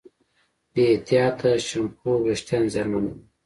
بې احتیاطه شیمپو وېښتيان زیانمنوي.